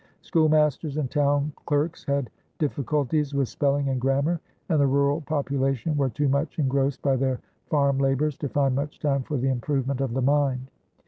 Schoolmasters and town clerks had difficulties with spelling and grammar, and the rural population were too much engrossed by their farm labors to find much time for the improvement of the mind.